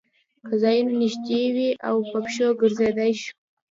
که ځایونه نږدې وي او په پښو ګرځېدای شو.